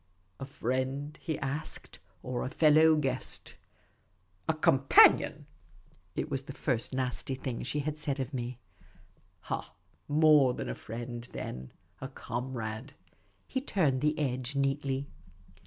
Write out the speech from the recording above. " A friend ?" he asked. " Or a fellow guest ?"" A companion." It was the first nasty thing she had said of me. " Ha ! more than a friend, then. A comrade." He turned the edge neatly.